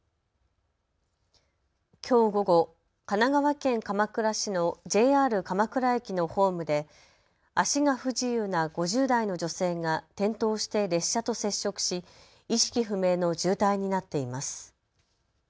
きょう午後、神奈川県鎌倉市のＪＲ鎌倉駅のホームで足が不自由な５０代の女性が転倒して列車と接触し意識不明の重体になっています。